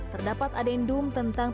terdapat adendum tentang